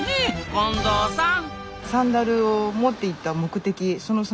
近藤さん？